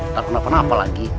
ntar kenapa kenapa lagi